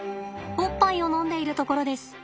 おっぱいを飲んでいるところです。